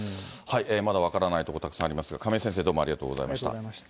まだ分からないとこ、たくさんありますが、亀井先生、どうもありがとうございました。